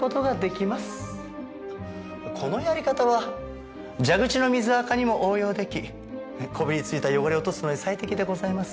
このやり方は蛇口の水垢にも応用出来こびりついた汚れを落とすのに最適でございます。